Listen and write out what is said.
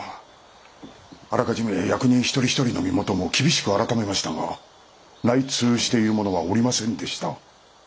あらかじめ役人一人一人の身元も厳しく検めましたが内通している者はおりませんでした。